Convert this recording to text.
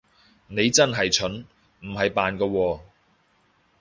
你係真蠢，唔係扮㗎喎